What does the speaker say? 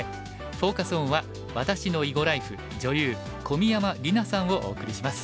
フォーカス・オンは「私の囲碁ライフ女優小宮山莉渚さん」をお送りします。